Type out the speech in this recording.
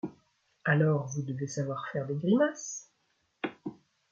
Alors, vous devez savoir faire des grimaces ?